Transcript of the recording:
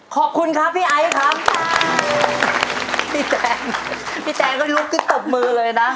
ขอบคุณครับพี่ไอซ์ครับพี่แจงพี่แจงก็ลุกขึ้นตบมือเลยนะ